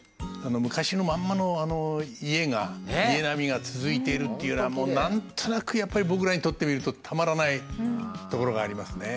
昔のまんまの家が家並みが続いているっていうのが何となくやっぱり僕らにとってみるとたまらないところがありますね。